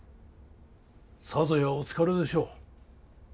さぞやお疲れでしょう。